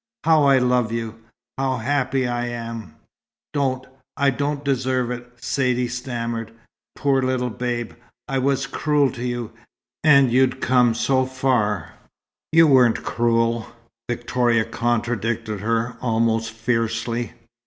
How I love you! How happy I am!" "Don't I don't deserve it," Saidee stammered. "Poor little Babe! I was cruel to you. And you'd come so far." "You weren't cruel!" Victoria contradicted her, almost fiercely.